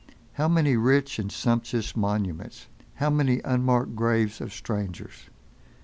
How many rich and sumptuous monuments! How many unmarked graves of strangers!